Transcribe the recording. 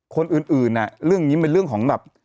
คนอื่นเรื่องนี้เป็นเรื่องของแบบ